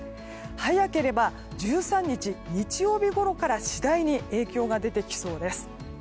早ければ１３日日曜日ごろから次第に影響が出てきそうです。